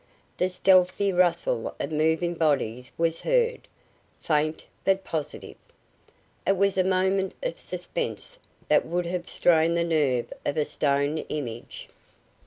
The stealthy rustle of moving bodies was heard, faint, but positive. It was a moment of suspense that would have strained the nerve of a stone image.